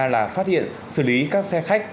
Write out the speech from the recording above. là phát hiện xử lý các xe khách